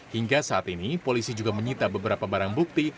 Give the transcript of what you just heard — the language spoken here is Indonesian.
hingga saat ini polisi juga menyita beberapa barang bukti